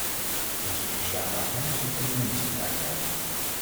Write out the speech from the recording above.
Onze sociale agenda zit eveneens in de pijpleiding.